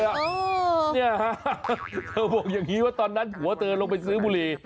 เนี่ยฮะเธอบอกอย่างนี้ว่าตอนนั้นผัวเธอลงไปซื้อบุหรี่